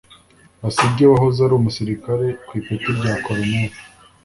Besigye wahoze ari umusirikare ku ipeti rya Colonel